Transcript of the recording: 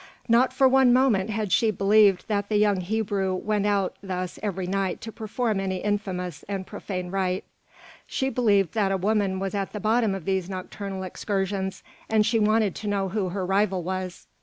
Not for one moment had she believed that the young Hebrew went out thus every night to perform any infamous and profane rite; she believed that a woman was at the bottom of these nocturnal excursions, and she wanted to know who her rival was.